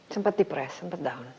sempat di press sempat down